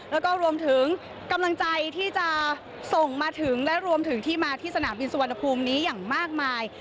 แล้วก็รวมถึงกำลังใจที่จะส่งมาถึงและรวมถึงที่มาที่สนามบินสุวรรณภูมินี้อย่างมากมาย